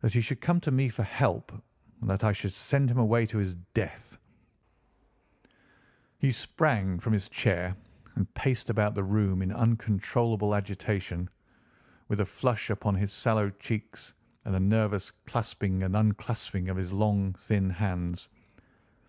That he should come to me for help, and that I should send him away to his death—!" He sprang from his chair and paced about the room in uncontrollable agitation, with a flush upon his sallow cheeks and a nervous clasping and unclasping of his long thin hands.